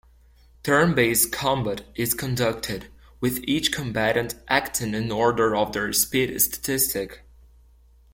Turn-based combat is conducted, with each combatant acting in order of their speed statistic.